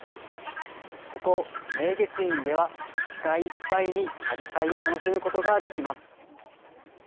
ここ明月院では視界いっぱいにアジサイを楽しむことができます。